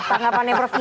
tanggapannya prof kiki